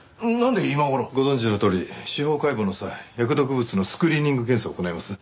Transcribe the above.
ご存じのとおり司法解剖の際薬毒物のスクリーニング検査を行います。